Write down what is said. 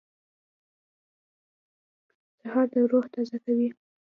سهار د روح تازه کوي.